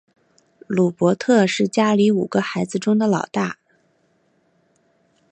鲁伯特是家里五个孩子中的老大。